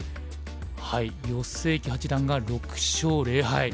余正麒八段が６勝０敗。